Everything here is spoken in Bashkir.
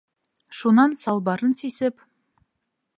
Шунан салбарын сисеп...